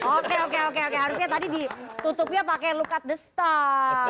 oke oke oke harusnya tadi ditutupnya pakai look at the stars